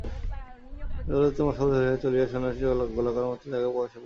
বহু যত্নে মশাল ধরিয়া চলিতে চলিতে সন্ন্যাসী একটা গোলাকার ঘরের মতো জায়গায় আসিয়া পৌঁছিলেন।